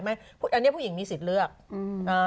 ไม่อันณ์นี้ผู้หญิงมีศิลป์เลือกอืม